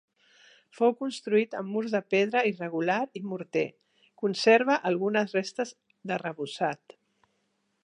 Fou construït amb murs de pedra irregular i morter, conserva algunes restes d'arrebossat.